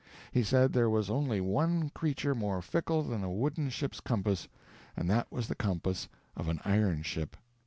He said there was only one creature more fickle than a wooden ship's compass, and that was the compass of an iron ship.